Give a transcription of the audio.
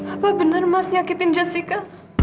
apa benar mas nyakitin jessica